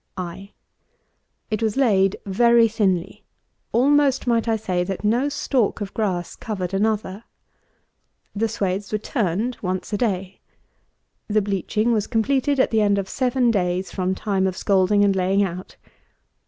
I. It was laid very thinly; almost might I say, that no stalk of grass covered another. The swaths were turned once a day. The bleaching was completed at the end of seven days from time of scalding and laying out.